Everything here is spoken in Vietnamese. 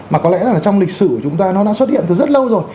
mà có lẽ là trong lịch sử của chúng ta nó đã xuất hiện từ rất lâu rồi